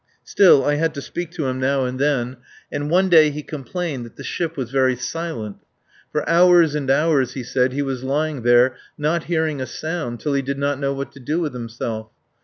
Still, I had to speak to him now and then, and one day he complained that the ship was very silent. For hours and hours, he said, he was lying there, not hearing a sound, till he did not know what to do with himself.